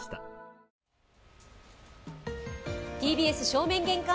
ＴＢＳ正面玄関